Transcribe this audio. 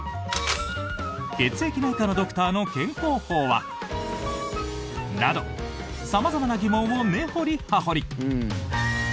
血液内科のドクターの健康法は？など、様々な疑問を根掘り葉掘り！